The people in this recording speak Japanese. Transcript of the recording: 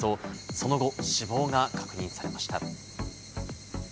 その後、死亡が確認されました。